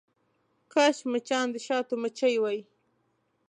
کاش مچان د شاتو مچۍ وی.